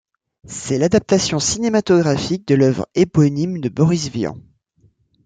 C'est l'adaptation cinématographique de l’œuvre éponyme de Boris Vian.